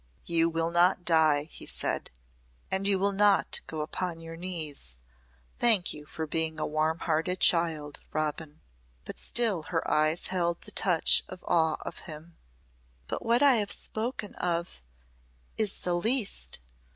"You will not die," he said. "And you will not go upon your knees. Thank you for being a warm hearted child, Robin." But still her eyes held the touch of awe of him. "But what I have spoken of is the least."